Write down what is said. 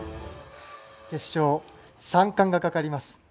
決勝、３冠がかかります。